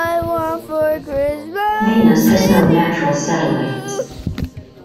Venus has no natural satellites.